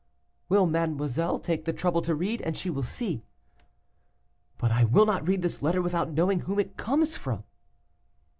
'Will mademoiselle take the trouble to read, and she will see.' 'But I will not read this letter without knowing whom it comes from.